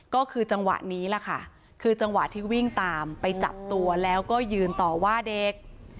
ก็คือจังหวะนี้แหละค่ะคือจังหวะที่วิ่งตามไปจับตัวแล้วก็ยืนต่อว่าเด็ก